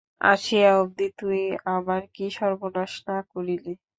আসিয়া অবধি তুই আমার কী সর্বনাশ না করিলি?